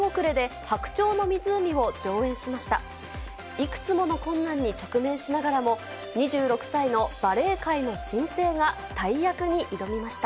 いくつもの困難に直面しながらも、２６歳のバレエ界の新星が大役に挑みました。